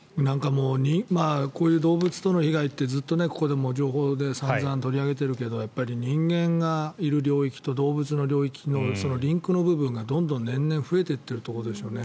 こういう動物との被害ってずっとここでも情報で散々取り上げているけど人間がいる領域と動物がいる領域のリンクの部分がどんどん増えてきているということですね。